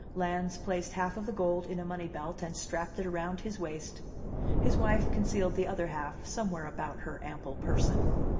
Lans placed half of the gold in a money belt and strapped it around his waist. His wife concealed the other half somewhere about her ample person.